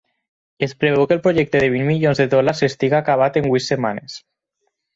Es preveu que el projecte de vint milions de dòlars estigui acabat en vuit setmanes.